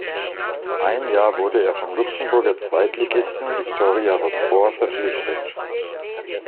Ein Jahr wurde er vom Luxemburger Zweitligisten Victoria Rosport verpflichtet.